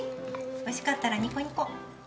おいしかったらニコニコ。